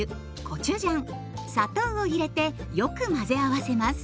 コチュジャン砂糖を入れてよく混ぜ合わせます。